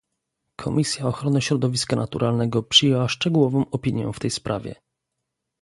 Komisja Ochrony Środowiska Naturalnego przyjęła szczegółową opinię w tej sprawie